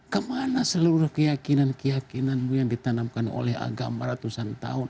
kemana seluruh keyakinan keyakinanmu yang ditanamkan oleh agama ratusan tahun